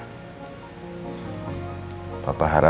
kamu akhirnya paham juga